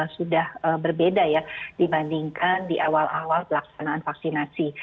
sudah berbeda ya dibandingkan di awal awal pelaksanaan vaksinasi